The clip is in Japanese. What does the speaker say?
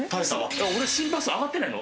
俺心拍数上がってないの？